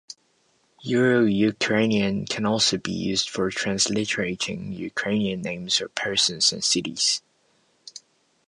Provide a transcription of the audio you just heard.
Euro-Ukrainian can also be used for transliterating Ukrainian names of persons and cities.